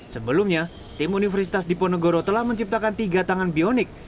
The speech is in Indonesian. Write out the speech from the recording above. sebelumnya tim universitas diponegoro telah menciptakan tiga tangan bionik